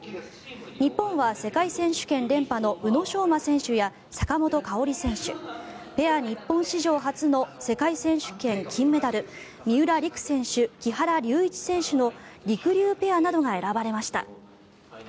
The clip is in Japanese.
日本は世界選手権連覇の宇野昌磨選手や坂本花織選手ペア日本史上初の世界選手権金メダル三浦璃来選手、木原龍一選手のりくりゅうペアなどが選ばれました。